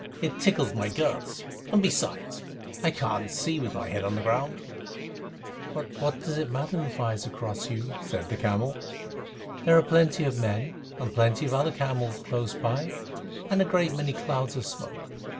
It tickles my girths, and, besides, I can't see with my head on the ground." "What does it matter who fires across you?" said the camel. "There are plenty of men and plenty of other camels close by, and a great many clouds of smoke.